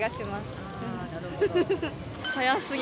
早すぎ。